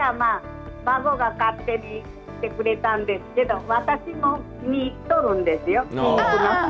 私は孫が勝手にしてくれたんですけど私も気に入っとるんですよ。